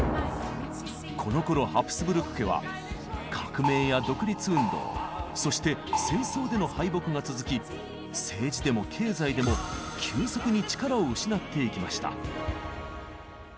このころハプスブルク家は革命や独立運動そして戦争での敗北が続き政治でも経済でも急速に力を失っていきました。